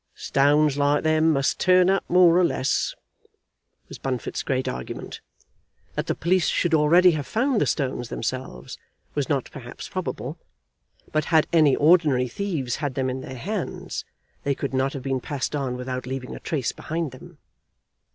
"Stones like them must turn up more or less," was Bunfit's great argument. That the police should already have found the stones themselves was not perhaps probable; but had any ordinary thieves had them in their hands, they could not have been passed on without leaving a trace behind them.